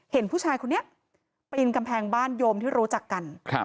เห็นผู้ชายคนนี้ปีนกำแพงบ้านโยมที่รู้จักกัน